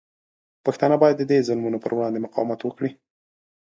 پښتانه باید د دې ظلمونو پر وړاندې مقاومت وکړي.